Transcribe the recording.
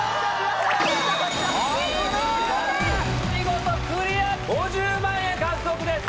見事クリア５０万円獲得です。